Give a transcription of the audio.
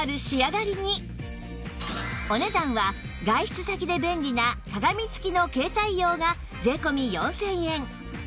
お値段は外出先で便利な鏡付きの携帯用が税込４０００円